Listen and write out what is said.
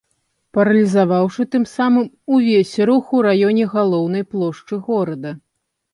Паралізаваўшы тым самым увесь рух у раёне галоўнай плошчы горада.